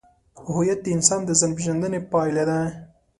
هویت د انسان د ځانپېژندنې پایله ده.